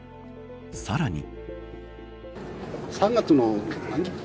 さらに。